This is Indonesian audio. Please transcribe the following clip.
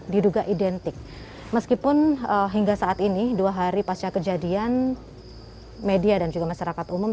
diduga identik meskipun hingga saat ini dua hari pasca kejadian media dan juga masyarakat umum